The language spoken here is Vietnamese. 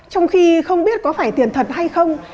trong khi không biết có phải tiền thật hay không